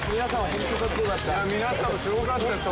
いや皆さんもすごかったです